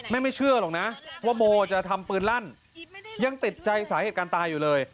ไม่ไม่เชื่อหรอกนะว่าโมจะทำปืนลั่นยังติดใจสาเหตุการณ์ตายอยู่เลย